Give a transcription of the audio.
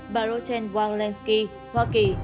bà loan nói